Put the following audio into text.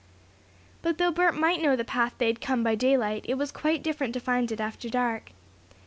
But though Bert might know the path they had come by daylight, it was quite different to find it after dark.